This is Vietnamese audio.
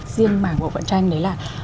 riêng mảng của vận tranh đấy là